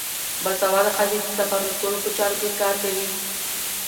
باسواده ښځې د سفارتونو په چارو کې کار کوي.